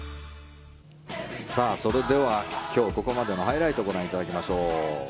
それでは今日ここまでのハイライトをご覧いただきましょう。